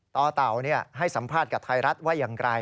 ตเต่าให้สัมภาษณ์กับไทรัฐว่ายังไกล